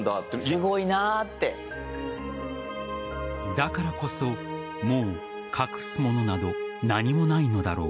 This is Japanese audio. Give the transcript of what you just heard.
だからこそもう隠すものなど何もないのだろう。